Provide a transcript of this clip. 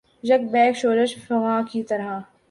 یک بیک شورش فغاں کی طرح